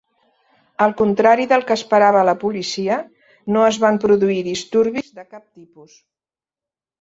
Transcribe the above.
Al contrari del que esperava la policia, no es van produir disturbis de cap tipus.